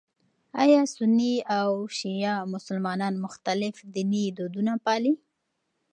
ایا سني او شیعه مسلمانان مختلف ديني دودونه پالي؟